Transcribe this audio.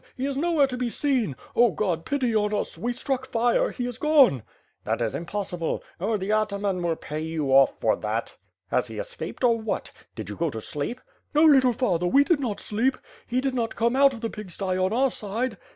He is nowhere to be seen. Oh, God pity on us! We struck fire. He is gone." "That is impossible! Oh, the ataman will pay you off for that. Has he escaped, or what? Did you go to sleep?" "No, little father, we did not sleep. He did not come out of the pig sty on our side."